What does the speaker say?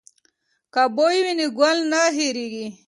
که بوی وي نو ګل نه هیرېږي.